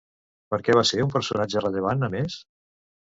Per què va ser un personatge rellevant, a més?